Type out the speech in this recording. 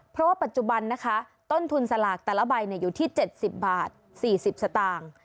เพราะว่าปัจจุบันนะคะต้นทุนสลากแต่ละใบอยู่ที่๗๐บาท๔๐สตางค์